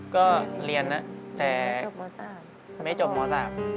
ก็เรียนนะแต่ไม่จบม๓